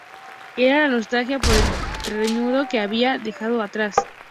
Era la nostalgia por el terruño que había dejado atrás.